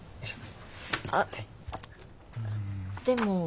あっでも。